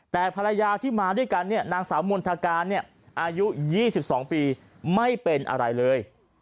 แต่ภรรยาที่มาด้วยกันเนี่ยนางสาวมณฑการอายุ๒๒ปีไม่เป็นอะไรเลย